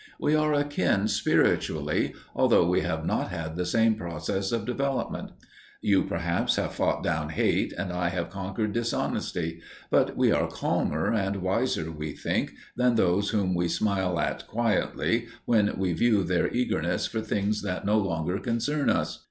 We are akin spiritually, although we have not had the same process of development. You, perhaps, have fought down hate and I have conquered dishonesty, but we are calmer and wiser, we think, than those whom we smile at quietly when we view their eagerness for things that no longer concern us.